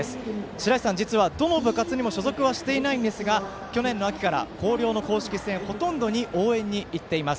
しらいしさん、実は所属はしていないんですが去年の秋から広陵の公式戦ほとんどに応援に行っています。